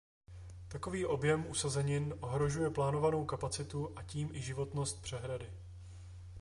Takový objem usazenin ohrožuje plánovanou kapacitu a tím i životnost přehrady.